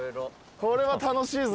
これは楽しいぞ。